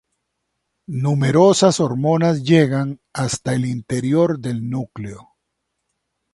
Numerosas hormonas llegan hasta el interior del núcleo.